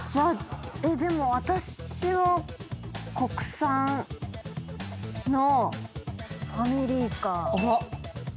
でも私も国産のファミリーカー。